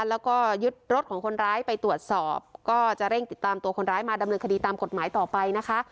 แล้วก็ยึดรถของคนร้ายไปตรวจสอบก็จะเร่งติดตามตัวคนร้ายมาดำเนินคดีตามกฎหมายต่อไปนะคะ